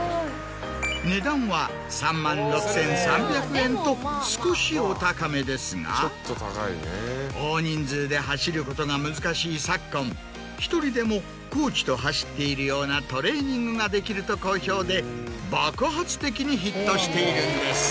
値段は３万６３００円と少しお高めですが大人数で走ることが難しい昨今１人でもコーチと走っているようなトレーニングができると好評で爆発的にヒットしているんです。